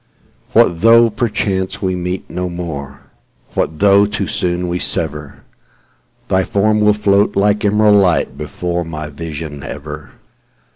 What though, perchance, we no more meet,—What though too soon we sever? Thy form will float like emerald lightBefore my vision ever.